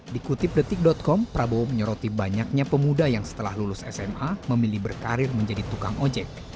dikutip detik com prabowo menyoroti banyaknya pemuda yang setelah lulus sma memilih berkarir menjadi tukang ojek